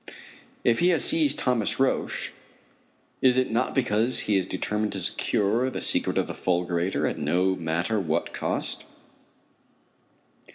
If he has seized Thomas Roch, is it not because he is determined to secure the secret of the fulgurator at no matter what cost?